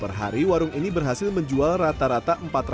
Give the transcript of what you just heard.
perhari warung ini berhasil menjual rata rata empat ratus bungkus asinan per hari